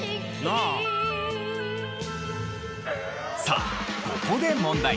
さあここで問題。